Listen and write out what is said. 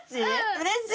うれしい。